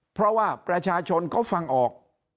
เพราะว่าประชาชนเขาฟังออก